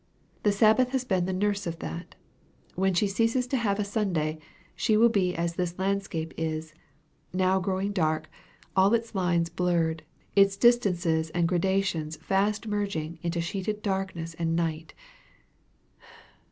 The Sabbath has been the nurse of that. When she ceases to have a Sunday, she will be as this landscape is: now growing dark, all its lines blurred, its distances and gradations fast merging into sheeted darkness and night.